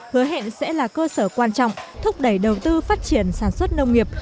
thế hệ sẽ là cơ sở quan trọng thúc đẩy đầu tư phát triển sản xuất nông nghiệp